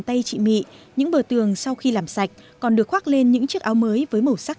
tay chị mị những bờ tường sau khi làm sạch còn được khoác lên những chiếc áo mới với màu sắc